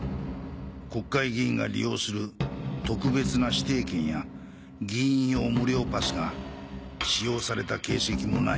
国会議員が利用する特別な指定券や議員用無料パスが使用された形跡もない